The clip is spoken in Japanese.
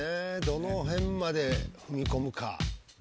どの辺まで踏み込むか。